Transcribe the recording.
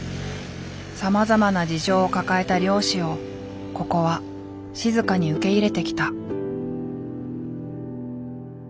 さまざまな事情を抱えた漁師をここは静かに受け入れてきた。